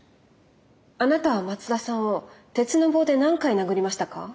あなたは松田さんを鉄の棒で何回殴りましたか？